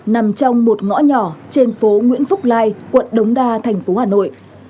nằm trong một ngõ nhỏ trên phố nguyễn phúc lai quận đống đa tp hà nội